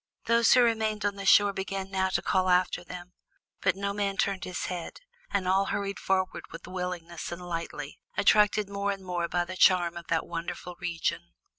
Those who remained on the shore began now to call after them, but no man turned his head, and all hurried forward with willingness and lightly, attracted more and more by the charm of that wonderful region.